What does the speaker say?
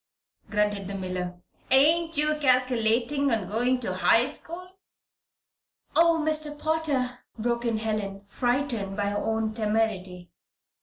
grunted the miller. "Ain't you calculatin' on going to high school?" "Oh, Mr. Potter!" broke in Helen, frightened by her own temerity.